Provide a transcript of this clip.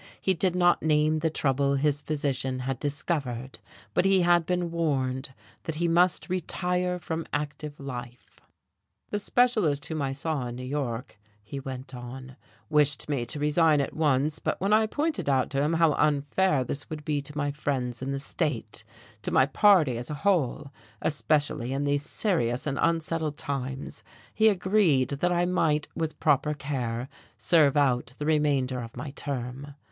He did not name the trouble his physician had discovered, but he had been warned that he must retire from active life. "The specialist whom I saw in New York," he went on, "wished me to resign at once, but when I pointed out to him how unfair this would be to my friends in the state, to my party as a whole especially in these serious and unsettled times he agreed that I might with proper care serve out the remainder of my term.